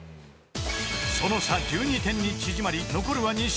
［その差１２点に縮まり残るは２試合］